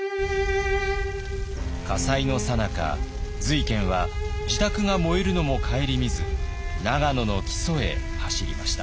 「火災のさなか瑞賢は自宅が燃えるのも顧みず長野の木曽へ走りました」。